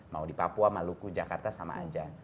mau di papua maluku jakarta sama aja